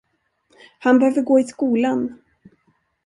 Han behöver gå i skolan.